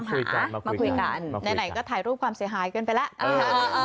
มาคุยกันมาคุยกันในไหนก็ถ่ายรูปความเสียหายเกินไปแล้ว